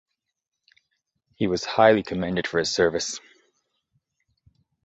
He was highly commended for his service.